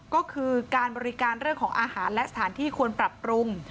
ก็คือการบริการเรื่องของอาหารและสถานที่ควรปรับปรุง